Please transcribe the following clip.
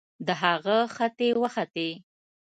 د هغه ختې وختې